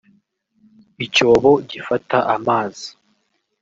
icyobo gifata amazi